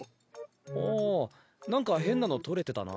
ああなんか変なの採れてたな。